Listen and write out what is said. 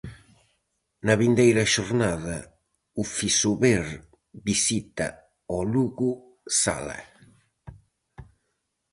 Na vindeira xornada o Fisober visita ao Lugo sala.